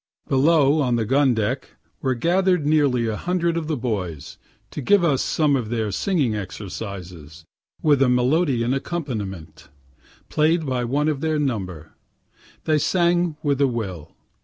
Below, on the gun deck, were gather'd nearly a hundred of the boys, to give us some of their singing exercises, with a melodeon accompaniment, play'd by one of their number. They sang with a will.